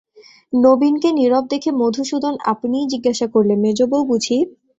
নবীনকে নীরব দেখে মধুসূদন আপনিই জিজ্ঞাসা করলে, মেজোবউ বুঝি?